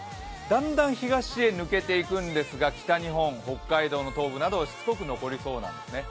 だんだん東へ抜けていくんですが北日本、北海道の東部などしつこく残りそうなんですね。